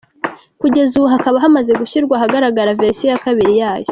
Kugeza ubu hakaba hamaze gushyirwa ahagaragara verisiyo ya kabiri yayo.